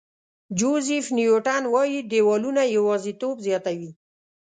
جوزیف نیوټن وایي دیوالونه یوازېتوب زیاتوي.